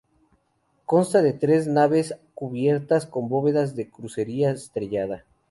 Consta de tres naves cubiertas con bóvedas de crucería estrellada.